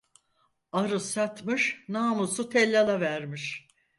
Arı satmış namusu tellala vermiş.